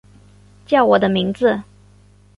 叫我的名字